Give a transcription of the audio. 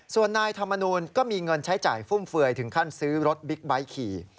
ส่วนนายธรรมนูลก็มีเงินใช้จ่ายฟุ่มเฟือยถึงขั้นซื้อรถบิ๊กไบท์ขี่